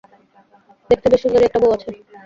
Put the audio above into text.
দেখতে বেশ সুন্দরী একটা বউ আছে।